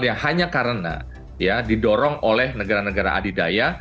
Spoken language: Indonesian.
yang hanya karena didorong oleh negara negara adidaya